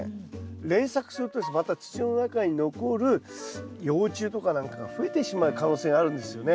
連作するとまた土の中に残る幼虫とか何かが増えてしまう可能性があるんですよね。